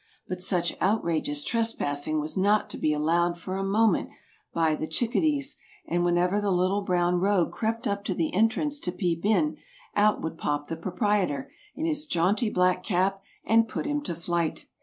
But such outrageous trespassing was not to be allowed for a moment by the chickadees and whenever the little brown rogue crept up to the entrance to peep in, out would pop the proprietor, in his jaunty black cap, and put him to flight.